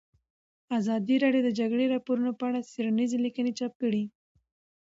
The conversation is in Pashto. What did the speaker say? ازادي راډیو د د جګړې راپورونه په اړه څېړنیزې لیکنې چاپ کړي.